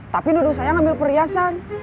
tapi duduk saya ngambil perhiasan